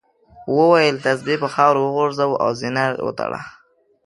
وویل تسبیح په خاورو وغورځوه او زنار وتړه.